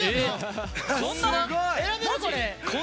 そんな？